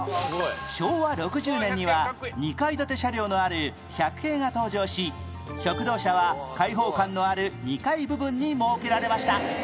昭和６０年には２階建て車両のある１００系が登場し食堂車は開放感のある２階部分に設けられました